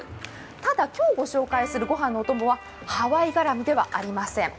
ただ今日ご紹介するご飯のお供はハワイ絡みではありません。